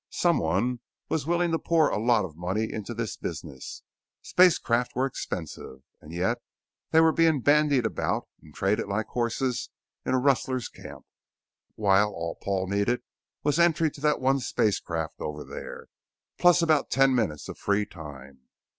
Someone was willing to pour a lot of money into this business. Spacecraft were expensive, yet they were being bandied about and traded like horses in a rustler's camp. While all Paul needed was entry to that one spacecraft over there, plus about ten minutes of free time....